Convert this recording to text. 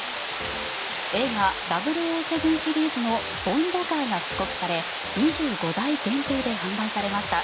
映画「００７」シリーズのボンドカーが復刻され２５台限定で販売されました。